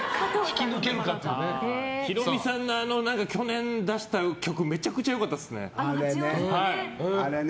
ヒロミさんが去年出した曲めちゃくちゃ良かったですね。